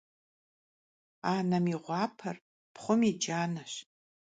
Anem yi ğuaper pxhum yi caneş.